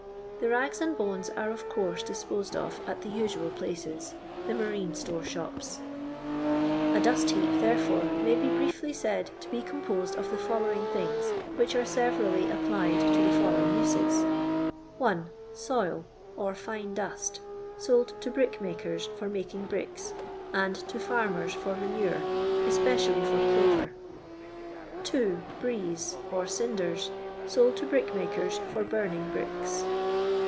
The rags and bones are of course dis posed of at the usual places — the marine store shops. A dutt heap, therefore, may be briefly said to be composed of the following things, which are severally applied to the following uses :— 1. "Soil," or fine dust, sold to brickmakers for makmg bricks, and to iiEurmers for manure, es pecially for clover. 2. " firiese," or cinders, sold to brickmakers, for burning bricks.